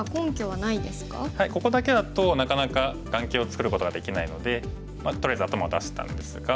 はいここだけだとなかなか眼形を作ることができないのでとりあえず頭を出したんですが。